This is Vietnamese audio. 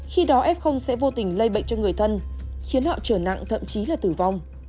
khi đó f sẽ vô tình lây bệnh cho người thân khiến họ trở nặng thậm chí là tử vong